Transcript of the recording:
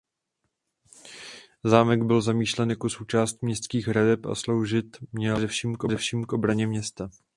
Zámek byl zamýšlen jako součást městských hradeb a sloužit měl především k obraně města.